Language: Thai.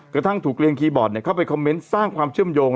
กระทั่งถูกเรียนคีย์บอร์ดเข้าไปคอมเมนต์สร้างความเชื่อมโยง